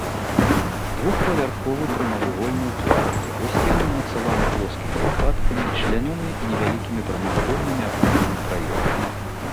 Двухпавярховы, прамавугольны ў плане, яго сцены ўмацаваны плоскімі лапаткамі, члянёны невялікімі прамавугольнымі аконнымі праёмамі.